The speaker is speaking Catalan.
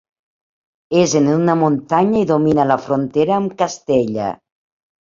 És en una muntanya i domina la frontera amb Castella.